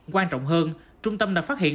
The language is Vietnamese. quan trọng hơn trung tâm đã phát hiện